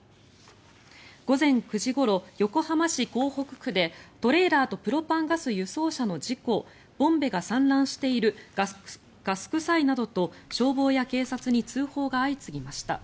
午前９時ごろ横浜市港北区でトレーラーとプロパンガス輸送車の事故ボンベが散乱しているガス臭いなどと消防や警察に通報が相次ぎました。